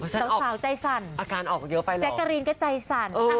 สาวใจสั่นแจ๊กกะรีนก็ใจสั่น